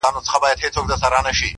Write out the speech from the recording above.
یوه ورځ یې له هوا ښار ته ورپام سو -